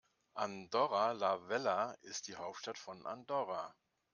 Andorra la Vella ist die Hauptstadt von Andorra.